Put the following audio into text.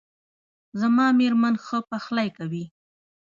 زما میرمن ښه پخلی کوي